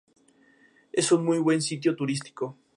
Miembro de la Sociedad Geográfica de Lima, Lisboa, Barcelona y París.